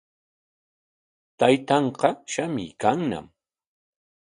Taytanqa shamuykanñam.